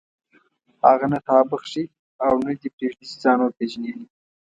هغه نه تا بخښي او نه دې پرېږدي چې ځان وپېژنې.